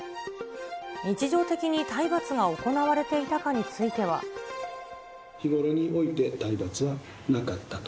日常的に体罰が行われていたかに日頃において体罰はなかったと。